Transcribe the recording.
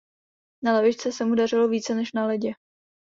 Na lavičce se mu dařilo více než na ledě.